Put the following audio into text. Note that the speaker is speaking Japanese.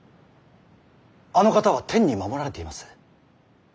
あの方は天に守られています。